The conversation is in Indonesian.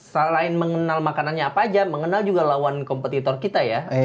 selain mengenal makanannya apa aja mengenal juga lawan kompetitor kita ya